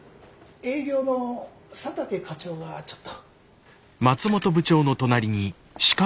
営業の佐竹課長がちょっと。